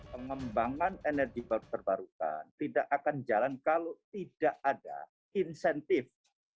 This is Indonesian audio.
pengembangan energi terbarukan tidak akan jalan kalau tidak ada insentif